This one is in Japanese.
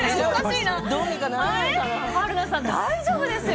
春菜さん、大丈夫ですよ。